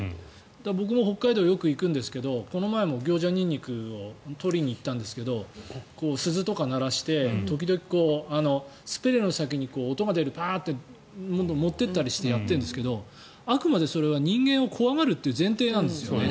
僕も北海道、よく行くんですがこの前もギョウジャニンニクを採りに行ったんですが鈴とかを鳴らして時々、音が出るものを持っていったりしてやっているんですがあくまでそれは人間を怖がるという前提なんです。